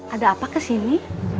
ada apa kesini